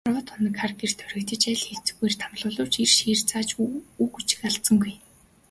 Арваад хоног хар гэрт хоригдож, аль хэцүүгээр тамлуулавч эрийн шийр зааж үг өчиг алдсангүй.